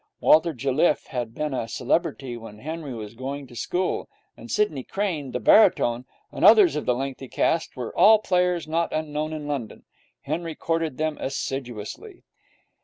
Walter Jelliffe had been a celebrity when Henry was going to school; and Sidney Crane, the baritone, and others of the lengthy cast, were all players not unknown in London. Henry courted them assiduously.